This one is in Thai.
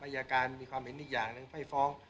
อายการมีความเห็นอีกอย่างหนึ่งให้ฟ้อง